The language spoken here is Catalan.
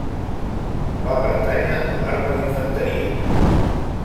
Va pertànyer a l'arma d'infanteria.